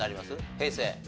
平成？